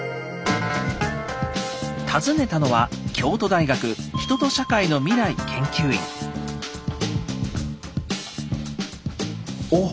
訪ねたのは京都大学おっ。